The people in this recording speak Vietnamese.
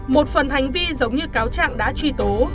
một phần hành vi giống như cáo trạng đã truy tố